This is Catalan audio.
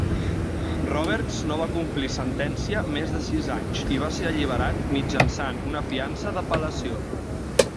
Roberts no va complir sentència més de sis anys, i va ser alliberat mitjançant una fiança d'apel·lació.